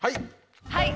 はい。